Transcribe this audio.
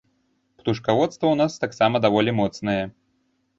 Птушкаводства ў нас таксама даволі моцнае.